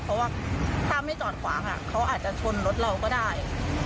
เพราะว่าถ้าไม่จอดขวางเขาอาจจะชนรถเราก็ได้